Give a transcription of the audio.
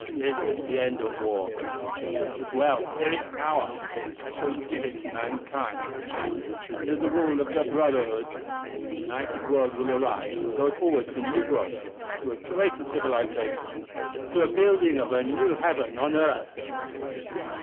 This is the end of war. Here is wealth; here is power; I shall give it to mankind, and, under the rule of the Brotherhood, a united world will arise and go forward to new growth, to a greater civilization, to a building of a new heaven on earth."